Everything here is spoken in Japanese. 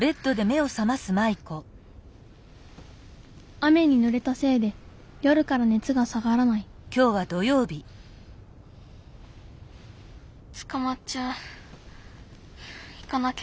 雨にぬれたせいで夜からねつが下がらないつかまっちゃう行かなきゃ。